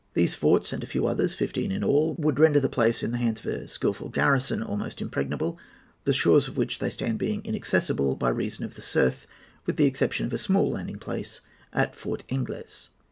These forts and a few others, fifteen in all, would render the place in the hands of a skilful garrison almost impregnable, the shores on which they stand being inaccessible by reason of the surf, with the exception of a small landing place at Fort Ingles.